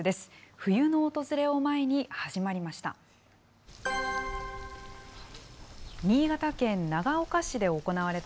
冬の訪れを前に始まりました。